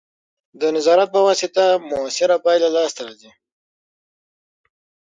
د نظارت په واسطه مؤثره پایله لاسته راځي.